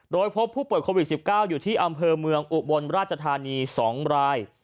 โดยพบผู้ป่วยโควิด๑๙อยู่ที่อำเภอเมืองอุบลราชธานี๒ราย